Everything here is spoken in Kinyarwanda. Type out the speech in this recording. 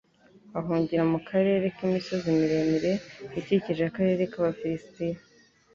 ahungira mu karere k'imisozi miremire ikikije akarere k'Abafirisitiya.